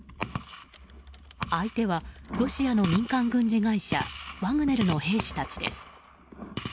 相手はロシアの民間軍事会社ワグネルの兵士たちです。